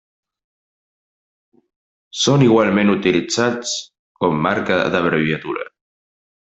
ঃ i ং són igualment utilitzats com marca d'abreviatura.